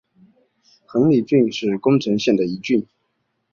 亘理郡是宫城县的一郡。